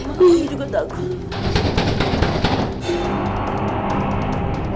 melan juga takut